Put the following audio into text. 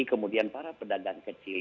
kemudian para pedagang kecil